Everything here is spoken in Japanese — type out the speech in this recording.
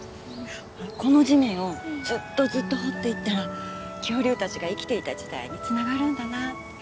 この地面をずっとずっと掘っていったら恐竜たちが生きていた時代につながるんだなって。